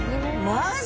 マジ！？